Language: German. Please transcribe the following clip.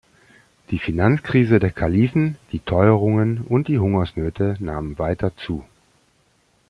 Die Finanzkrise der Kalifen, die Teuerungen und die Hungersnöte nahmen weiter zu.